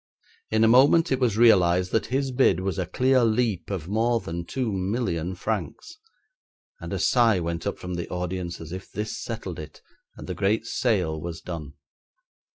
In a moment it was realised that his bid was a clear leap of more than two million francs, and a sigh went up from the audience as if this settled it, and the great sale was done.